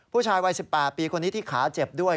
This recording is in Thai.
ผู้ชายวัย๑๘ปีคนนี้ที่ขาเจ็บด้วย